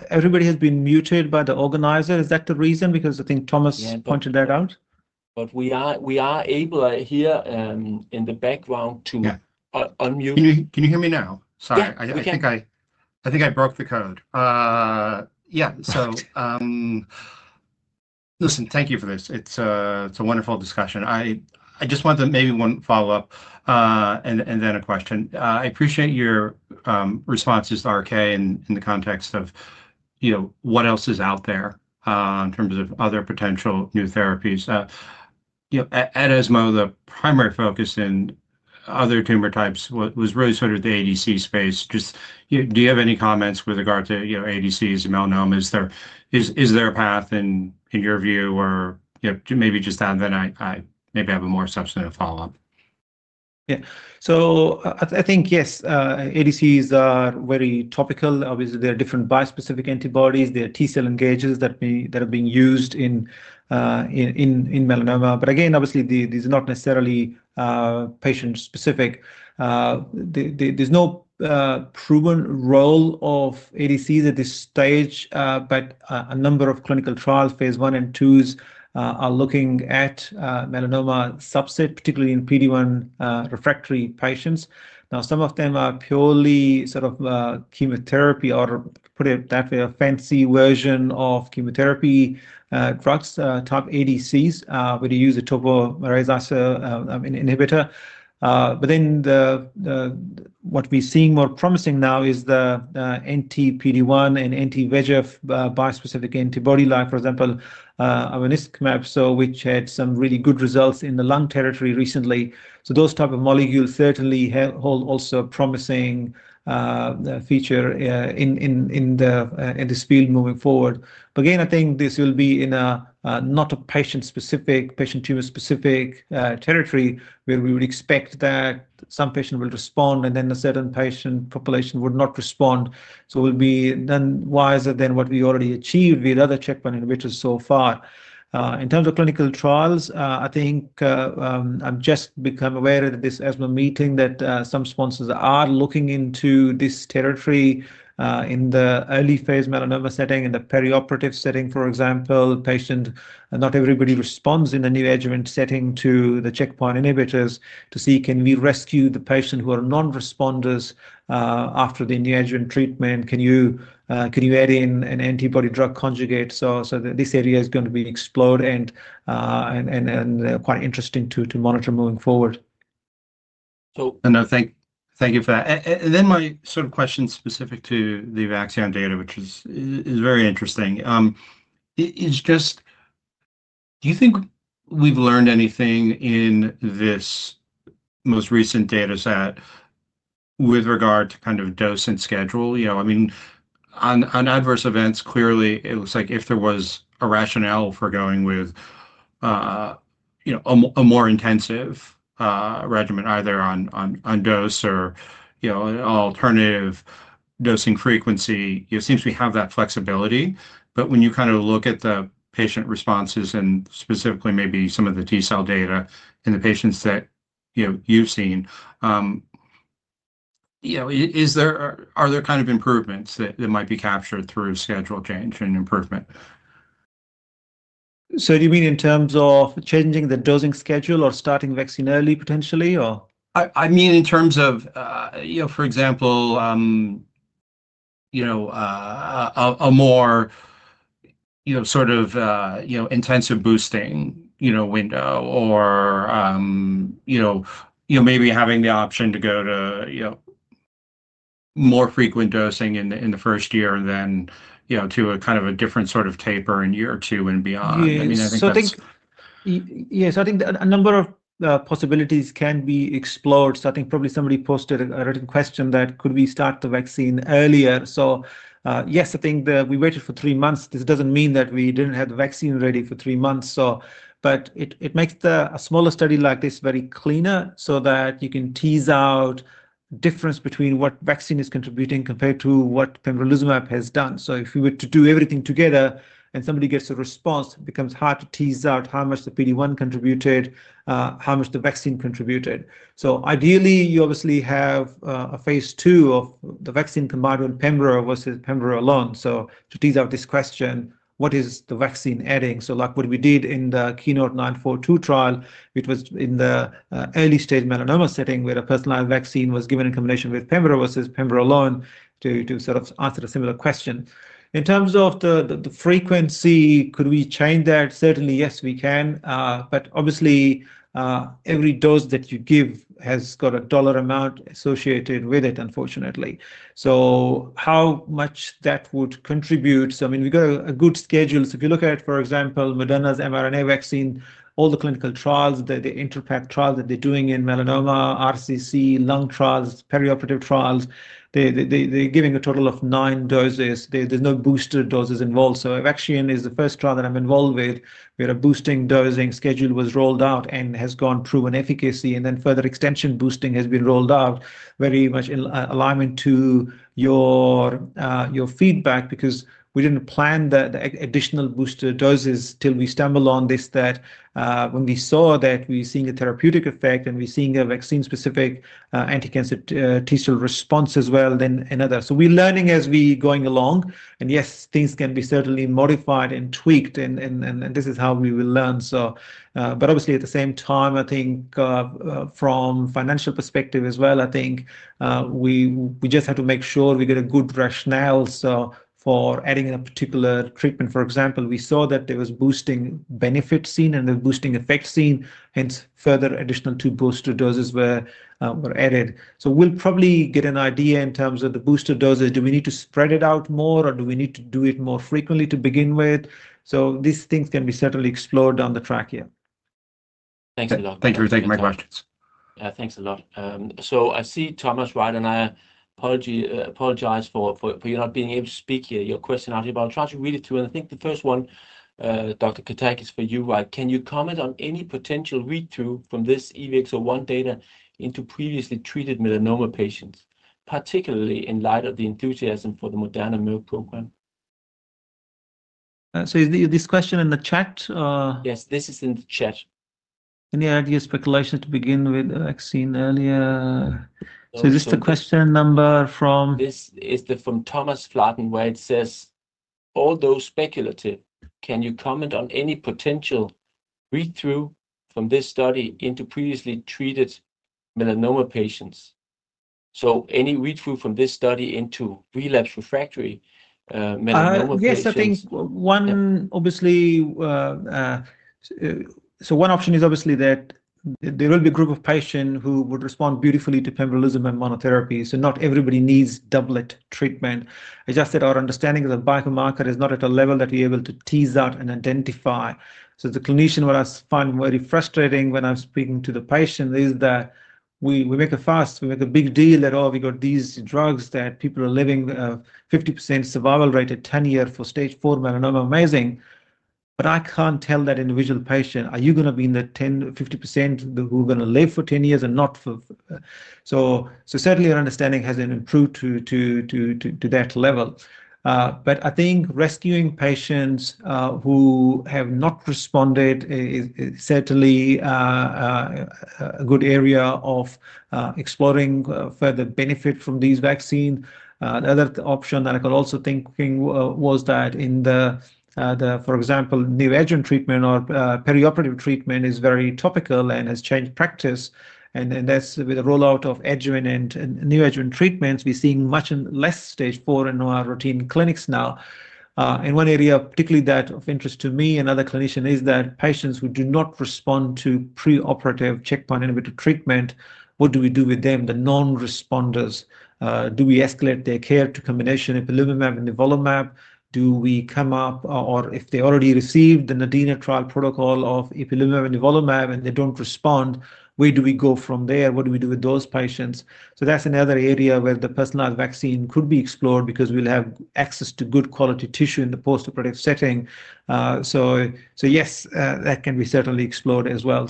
everybody has been muted by the organizer? Is that the reason? I think Thomas pointed that out. We are able here in the background to unmute. Can you hear me now? Sorry. I think I broke the code. Thank you for this. It's a wonderful discussion. I just want to maybe one follow-up and then a question. I appreciate your responses, RK, in the context of, you know, what else is out there in terms of other potential new therapies. At ESMO, the primary focus in other tumor types was really sort of the ADC space. Do you have any comments with regard to, you know, ADCs and melanomas? Is there a path in your view or maybe just that? I maybe have a more substantive follow-up. Yeah, so I think yes, ADCs are very topical. Obviously, there are different bispecific antibodies. There are T-cell engagers that are being used in melanoma. These are not necessarily patient-specific. There's no proven role of ADCs at this stage, but a number of clinical trials, phase I and II, are looking at melanoma subsets, particularly in PD-1 refractory patients. Some of them are purely sort of chemotherapy, or put it that way, a fancy version of chemotherapy drugs, top ADCs, where you use a topoisomerase inhibitor. What we're seeing more promising now is the anti-PD-1 and anti-VEGF bispecific antibody, like, for example, ivonescimab, which had some really good results in the lung territory recently. Those types of molecules certainly also hold a promising future in this field moving forward. I think this will be in a not patient-specific, patient-tumor-specific territory where we would expect that some patients will respond and then a certain patient population would not respond. It will be then wiser than what we already achieved with other checkpoint inhibitors so far. In terms of clinical trials, I think I've just become aware of this ESMO meeting that some sponsors are looking into this territory in the early phase melanoma setting and the perioperative setting. For example, patients, not everybody responds in the neoadjuvant setting to the checkpoint inhibitors to see can we rescue the patients who are non-responders after the neoadjuvant treatment. Can you add in an antibody drug conjugate? This area is going to be explored and quite interesting to monitor moving forward. Thank you for that. My question specific to the Evaxion data, which is very interesting, is just, do you think we've learned anything in this most recent data set with regard to kind of dose and schedule? I mean, on adverse events, clearly it looks like if there was a rationale for going with a more intensive regimen either on dose or an alternative dosing frequency, it seems we have that flexibility. When you look at the patient responses and specifically maybe some of the T-cell data in the patients that you've seen, are there improvements that might be captured through schedule change and improvement? Do you mean in terms of changing the dosing schedule or starting vaccine early potentially? In terms of, for example, a more intensive boosting window or maybe having the option to go to more frequent dosing in the first year and then to a kind of a different sort of taper in year two and beyond. Yeah, I think a number of possibilities can be explored. I think probably somebody posted a written question that could we start the vaccine earlier? Yes, I think that we waited for three months. This doesn't mean that we didn't have the vaccine ready for three months, but it makes a smaller study like this very cleaner so that you can tease out the difference between what vaccine is contributing compared to what pembrolizumab has done. If we were to do everything together and somebody gets a response, it becomes hard to tease out how much the PD-1 contributed, how much the vaccine contributed. Ideally, you obviously have a phase II study of the vaccine combined with pembro versus pembro alone to tease out this question, what is the vaccine adding? Like what we did in the KEYNOTE-942 trial, which was in the early stage melanoma setting where a personalized vaccine was given in combination with pembro versus pembro alone to sort of answer a similar question. In terms of the frequency, could we change that? Certainly, yes, we can. Obviously, every dose that you give has got a dollar amount associated with it, unfortunately. How much that would contribute? I mean, we've got a good schedule. If you look at, for example, Moderna's mRNA vaccine, all the clinical trials, the INTerpath trial that they're doing in melanoma, RCC, lung trials, perioperative trials, they're giving a total of nine doses. There's no booster doses involved. Evaxion is the first trial that I'm involved with where a boosting dosing schedule was rolled out and has gone proven efficacy. Further extension boosting has been rolled out very much in alignment to your feedback because we didn't plan the additional booster doses till we stumbled on this, that when we saw that we're seeing a therapeutic effect and we're seeing a vaccine-specific anti-cancer T-cell response as well than another. We're learning as we're going along. Yes, things can be certainly modified and tweaked, and this is how we will learn. Obviously, at the same time, I think from a financial perspective as well, I think we just have to make sure we get a good rationale. For adding a particular treatment, for example, we saw that there was boosting benefit seen and the boosting effect seen, hence further additional two booster doses were added. We'll probably get an idea in terms of the booster doses. Do we need to spread it out more or do we need to do it more frequently to begin with? These things can be certainly explored down the track here. Thanks a lot. Thank you for taking my questions. Yeah, thanks a lot. I see Thomas, right? I apologize for you not being able to speak here. Your question is out here, but I'll try to read it through. I think the first one, Dr. Khattak, is for you, right? Can you comment on any potential read-through from this EVX-01 data into previously treated melanoma patients, particularly in light of the enthusiasm for the Moderna Merck program? Is this question in the chat? Yes, this is in the chat. Any ideas or speculations to begin with a vaccine earlier? Is this the question number from. This is from Thomas Flaten where it says, "All those speculative, can you comment on any potential read-through from this study into previously treated melanoma patients?" Any read-through from this study into relapsed refractory melanoma patients? Yes, I think one, obviously, so one option is obviously that there will be a group of patients who would respond beautifully to pembrolizumab monotherapy. Not everybody needs doublet treatment. It's just that our understanding is that the biomarker is not at a level that we're able to tease out and identify. What I find very frustrating when I'm speaking to the patient is that we make a big deal that, oh, we got these drugs that people are living 50% survival rate at 10 years for stage four melanoma. Amazing. I can't tell that individual patient, are you going to be in the 10%, 50% who are going to live for 10 years and not for. Certainly our understanding hasn't improved to that level. I think rescuing patients who have not responded is certainly a good area of exploring further benefit from these vaccines. The other option that I could also think of was that, for example, neoadjuvant treatment or perioperative treatment is very topical and has changed practice. That's with the rollout of adjuvant and neoadjuvant treatments. We're seeing much less stage four in our routine clinics now. One area particularly that is of interest to me and other clinicians is that patients who do not respond to preoperative checkpoint inhibitor treatment, what do we do with them? The non-responders, do we escalate their care to combination ipilimumab and nivolumab? Or if they already received the NADINA trial protocol of ipilimumab and nivolumab and they don't respond, where do we go from there? What do we do with those patients? That's another area where the personalized vaccine could be explored because we'll have access to good quality tissue in the post-operative setting. Yes, that can be certainly explored as well.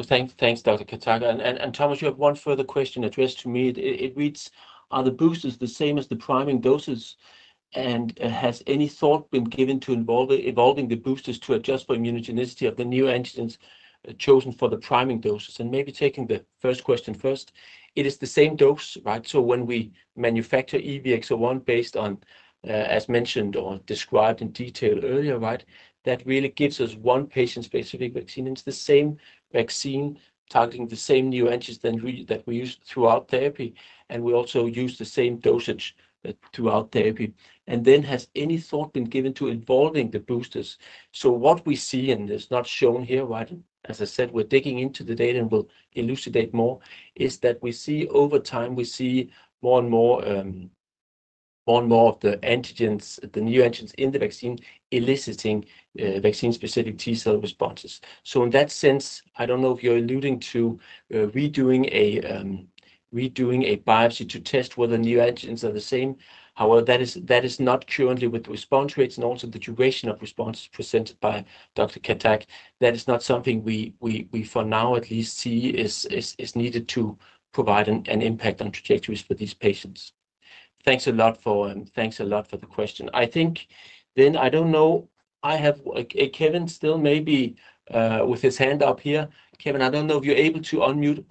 Thank you, Dr. Khattak. Thomas, you have one further question addressed to me. It reads, "Are the boosters the same as the priming doses? And has any thought been given to evolving the boosters to adjust for immunogenicity of the new antigens chosen for the priming doses?" Taking the first question first, it is the same dose, right? When we manufacture EVX-01 based on, as mentioned or described in detail earlier, that really gives us one patient-specific vaccine. It's the same vaccine targeting the same neoantigens that we use throughout therapy. We also use the same dosage throughout therapy. Has any thought been given to evolving the boosters? What we see, and it's not shown here, as I said, we're digging into the data and we'll elucidate more, is that over time, we see more and more of the neoantigens in the vaccine eliciting vaccine-specific T-cell responses. In that sense, I don't know if you're alluding to redoing a biopsy to test whether new antigens are the same. However, that is not currently, with the response rates and also the duration of responses presented by Dr. Khattak, something we, for now at least, see is needed to provide an impact on trajectories for these patients. Thanks a lot for the question. I think then, I don't know, I have Kevin still maybe with his hand up here. Kevin, I don't know if you're able to unmute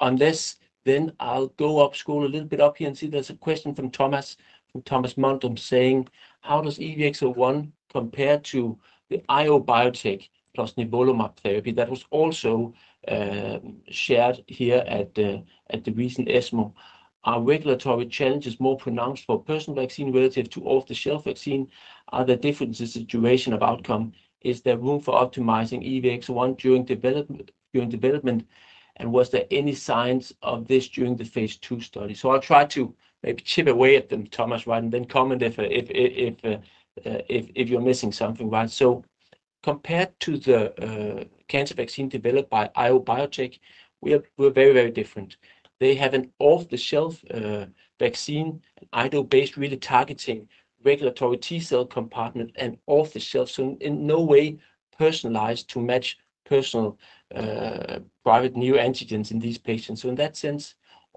unless then I'll go upscore a little bit up here and see there's a question from Thomas, from Thomas Mantum, saying, "How does EVX-01 compare to the IO Biotech plus nivolumab therapy that was also shared here at the recent ESMO? Are regulatory challenges more pronounced for personal vaccine relative to off-the-shelf vaccine? Are there differences in the situation of outcome? Is there room for optimizing EVX-01 during development? And was there any signs of this during the phase II study?" I'll try to maybe chip away at them, Thomas, and then comment if you're missing something, right? Compared to the cancer vaccine developed by IO Biotech, we're very, very different. They have an off-the-shelf vaccine, an iodo-based, really targeting regulatory T-cell compartment and off-the-shelf. In no way personalized to match personal private neoantigens in these patients. In that sense,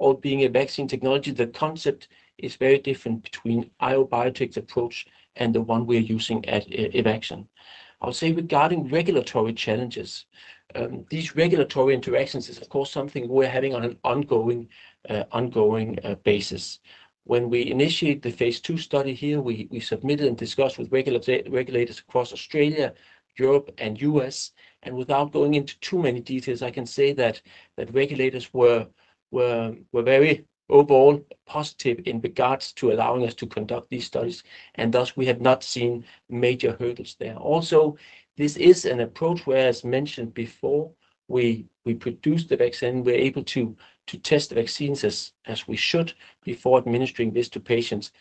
all being a vaccine technology, the concept is very different between IO Biotech's approach and the one we're using at Evaxion. I'll say regarding regulatory challenges, these regulatory interactions is, of course, something we're having on an ongoing basis. When we initiated the phase II study here, we submitted and discussed with regulators across Australia, Europe, and the U.S. Without going into too many details, I can say that regulators were very overall positive in regards to allowing us to conduct these studies. Thus, we have not seen major hurdles there. Also, this is an approach where, as mentioned before, we produce the vaccine, we're able to test the vaccines as we should before administering this to patients.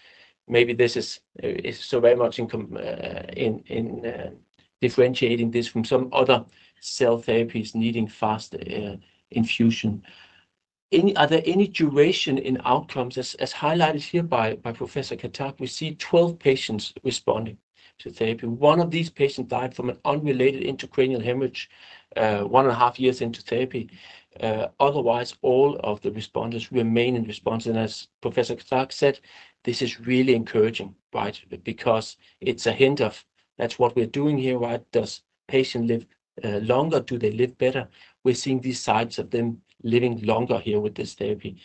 Maybe this is so very much in differentiating this from some other cell therapies needing fast infusion. Are there any duration in outcomes? As highlighted here by Professor Khattak, we see 12 patients responding to therapy. One of these patients died from an unrelated intracranial hemorrhage one and a half years into therapy. Otherwise, all of the responders remain in response. As Professor Khattak said, this is really encouraging, right? Because it's a hint of that's what we're doing here, right? Does the patient live longer? Do they live better? We're seeing these signs of them living longer here with this therapy.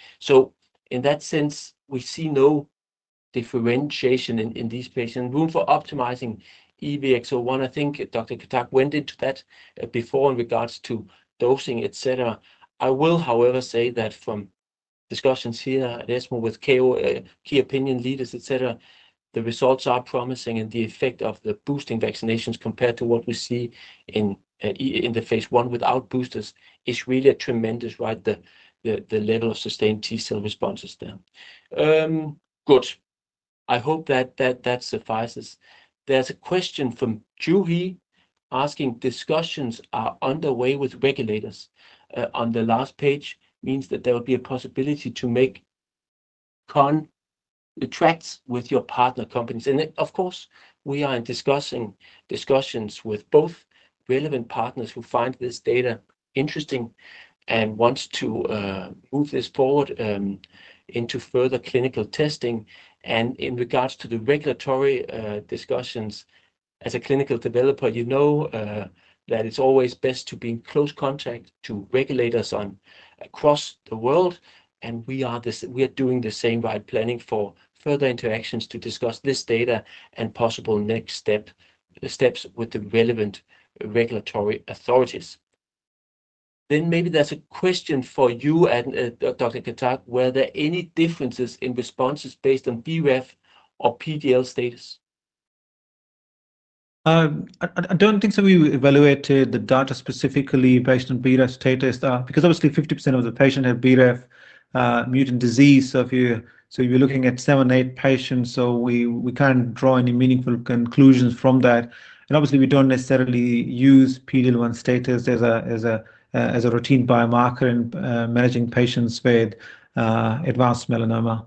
In that sense, we see no differentiation in these patients. Room for optimizing EVX-01. I think Dr. Khattak went into that before in regards to dosing, etc. I will, however, say that from discussions here at ESMO with key opinion leaders, etc., the results are promising and the effect of the boosting vaccinations compared to what we see in the phase I without boosters is really a tremendous, right? The level of sustained T-cell responses there. Good. I hope that that suffices. There's a question from Juhy asking, "Discussions are underway with regulators." On the last page, it means that there will be a possibility to make contracts with your partner companies. Of course, we are in discussions with both relevant partners who find this data interesting and want to move this forward into further clinical testing. In regards to the regulatory discussions, as a clinical developer, you know that it's always best to be in close contact with regulators across the world. We are doing the same, right? Planning for further interactions to discuss this data and possible next steps with the relevant regulatory authorities. Maybe that's a question for you and Dr. Khattak. Were there any differences in responses based on BRAF or PD-L1 status? I don't think we evaluated the data specifically based on BRAF status because obviously 50% of the patients have BRAF mutant disease. If you're looking at seven or eight patients, we can't draw any meaningful conclusions from that. We don't necessarily use PD-L1 status as a routine biomarker in managing patients with advanced melanoma.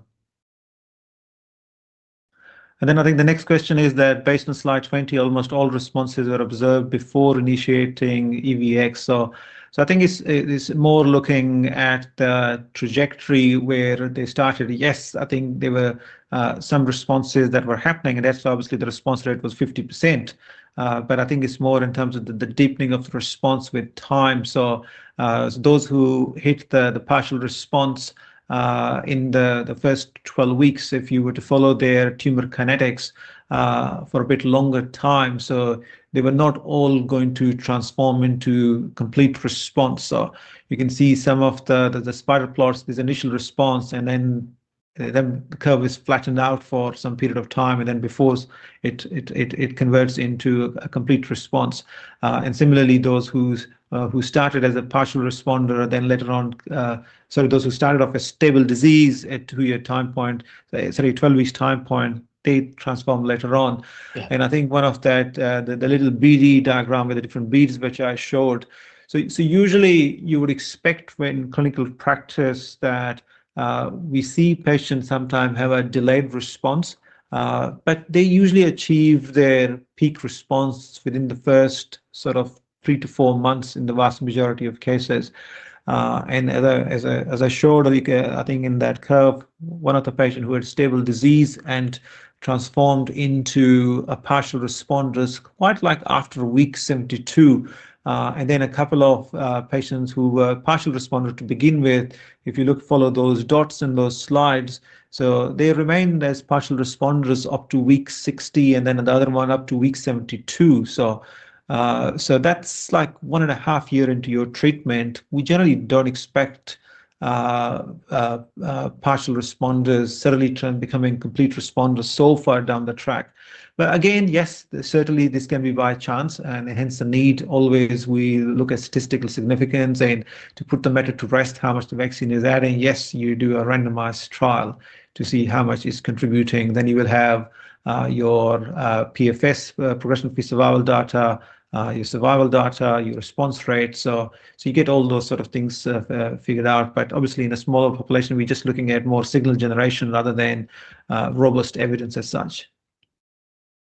I think the next question is that based on slide 20, almost all responses were observed before initiating EVX. I think it's more looking at the trajectory where they started. Yes, I think there were some responses that were happening, and that's obviously the response rate was 50%. I think it's more in terms of the deepening of the response with time. Those who hit the partial response in the first 12 weeks, if you were to follow their tumor kinetics for a bit longer time, they were not all going to transform into complete response. You can see some of the spiral plots, this initial response, and then the curve is flattened out for some period of time before it converts into a complete response. Similarly, those who started as a partial responder, then later on, sorry, those who started off as stable disease at a two-year time point, sorry, 12-week time point, they transform later on. I think one of that, the little BD diagram with the different beads which I showed. Usually, you would expect in clinical practice that we see patients sometimes have a delayed response, but they usually achieve their peak response within the first sort of three to four months in the vast majority of cases. As I showed, I think in that curve, one of the patients who had stable disease and transformed into a partial responder is quite like after week 72. A couple of patients who were partial responders to begin with, if you look, follow those dots in those slides. They remained as partial responders up to week 60, and then the other one up to week 72. That's like one and a half years into your treatment. We generally don't expect partial responders to suddenly turn to becoming complete responders so far down the track. Again, yes, certainly this can be by chance, and hence the need always we look at statistical significance and to put the matter to rest, how much the vaccine is adding. Yes, you do a randomized trial to see how much is contributing. You will have your PFS, Progression Free Survival data, your survival data, your response rate. You get all those sort of things figured out. Obviously, in a smaller population, we're just looking at more signal generation rather than robust evidence as such.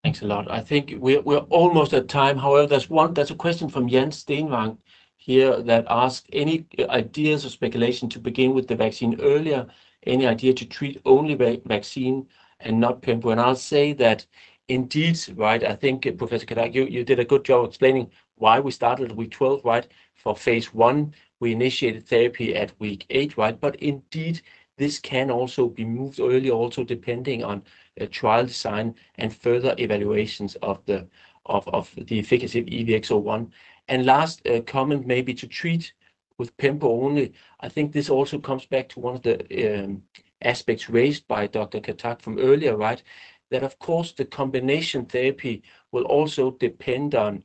Thanks a lot. I think we're almost at time. However, there's a question from Jens Steenwang here that asks any ideas or speculation to begin with the vaccine earlier, any idea to treat only vaccine and not pembro? I'll say that indeed, right, I think Professor Khattak, you did a good job explaining why we started at week 12, right, for phase I. We initiated therapy at week eight, right? Indeed, this can also be moved earlier, also depending on trial design and further evaluations of the efficacy of EVX-01. Last comment may be to treat with pembrolizumab only. I think this also comes back to one of the aspects raised by Dr. Khattak from earlier, right, that of course the combination therapy will also depend on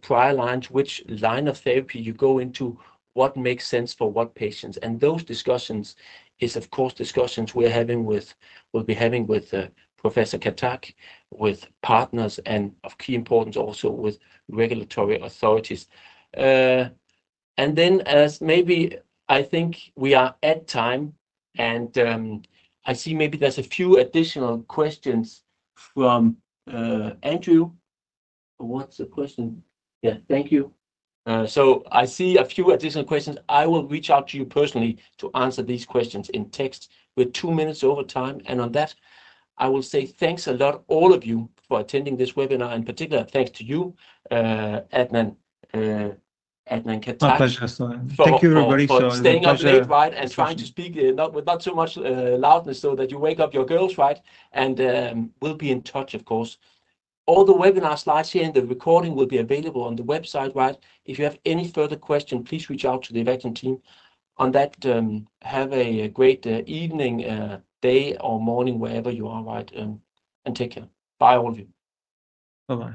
prior lines, which line of therapy you go into, what makes sense for what patients. Those discussions are of course discussions we're having with, we'll be having with Professor Khattak, with partners, and of key importance also with regulatory authorities. As maybe I think we are at time, and I see maybe there's a few additional questions from Andrew. What's the question? Yeah, thank you. I see a few additional questions. I will reach out to you personally to answer these questions in text. We're two minutes over time, and on that, I will say thanks a lot, all of you, for attending this webinar. In particular, thanks to you, Adnan Khattak. My pleasure. Thank you, everybody. Staying up late, right, and trying to speak not with so much loudness so that you wake up your girls, right? We'll be in touch, of course. All the webinar slides here and the recording will be available on the website, right? If you have any further questions, please reach out to the Evaxion team. On that, have a great evening, day, or morning, wherever you are, right? Take care. Bye, all of you. Bye-bye.